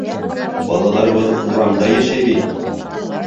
Балаларыбыҙ урамда йәшәй бит!